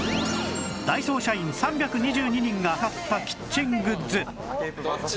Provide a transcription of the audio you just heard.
ダイソー社員３２２人が買ったキッチングッズ